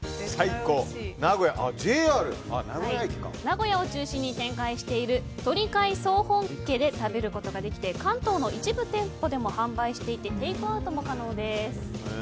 名古屋駅を中心に展開している鳥開総本家で食べられて関東の一部店舗でも販売していてテイクアウトも可能です。